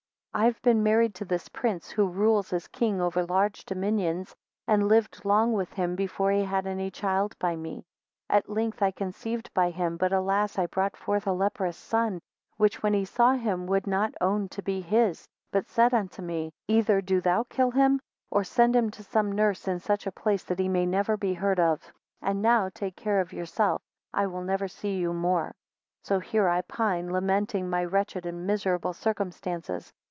24 I have been married to this prince, who rules as king over large dominions, and lived long with him before he had any child by me. 25 At length I conceived by him, but alas! I brought forth a leprous son; which, when he saw him would not own to be his, but said to me, 26 Either do thou kill him, or send him to some nurse in such a place, that he may be never heard of; and now take care of yourself; I will never see you more. 27 So here I pine, lamenting my wretched and miserable circumstances.